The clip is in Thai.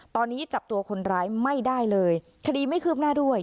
ตอนนี้จับตัวคนร้ายไม่ได้เลยคดีไม่คืบหน้าด้วย